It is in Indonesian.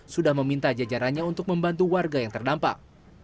sudah meminta jajarannya untuk membantu warga yang terdampak